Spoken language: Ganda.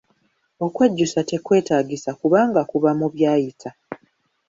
Okwejjusa tekwetaagisa kubanga kuba mu byayita.